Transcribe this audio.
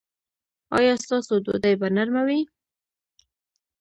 ایا ستاسو ډوډۍ به نرمه وي؟